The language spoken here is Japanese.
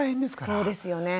そうですよね。